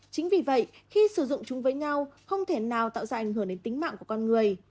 chính vì vậy khi sử dụng chúng với nhau không thể nào tạo ra ảnh hưởng đến tính mạng của con người